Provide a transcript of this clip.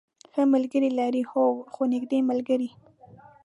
ښه ملګری لرئ؟ هو، څو نږدې ملګری